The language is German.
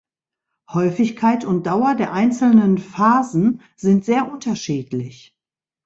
Häufigkeit und Dauer der einzelnen Phasen sind sehr unterschiedlich.